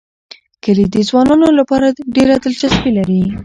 کلي د ځوانانو لپاره ډېره دلچسپي لري.